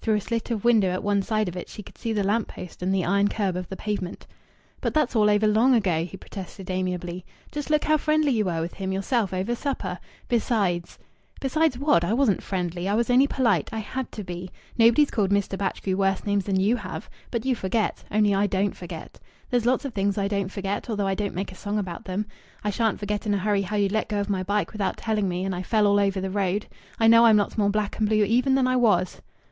Through a slit of window at one side of it she could see the lamp post and the iron kerb of the pavement. "But that's all over long ago," he protested amiably. "Just look how friendly you were with him yourself over supper! Besides " "Besides what? I wasn't friendly. I was only polite. I had to be. Nobody's called Mr. Batchgrew worse names than you have. But you forget. Only I don't forget. There's lots of things I don't forget, although I don't make a song about them. I shan't forget in a hurry how you let go of my bike without telling me and I fell all over the road. I know I'm lots more black and blue even than I was."